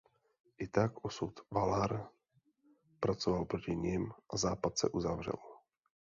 I tak Osud Valar pracoval proti nim a Západ se uzavřel.